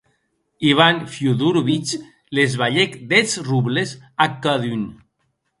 Ivan Fiódorovich les balhèc dètz robles a cadun.